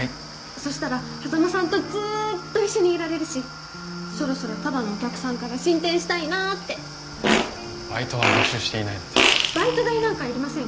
そしたら波佐間さんとずーっと一緒にいられるしそろそろただのお客さんから進展したいなってバイトは募集していないのでバイト代なんかいりません